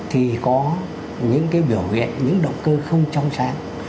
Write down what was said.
thì có những cái biểu huyện những động cơ không trong sáng